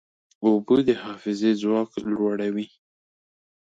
اوبه د حافظې ځواک لوړوي.